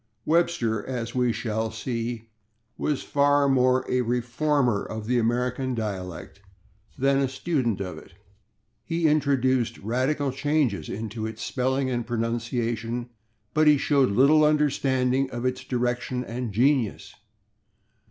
Webster, as we shall see, was far more a reformer of the American dialect than a student of it. He introduced radical changes into its spelling and pronunciation, but he showed little understanding of its direction and genius.